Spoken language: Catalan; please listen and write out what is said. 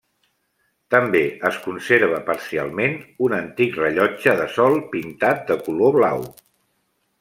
També es conserva parcialment un antic rellotge de sol pintat de color blau.